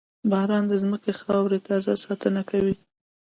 • باران د زمکې د خاورې تازه ساتنه کوي.